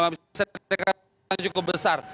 bisa dikatakan cukup besar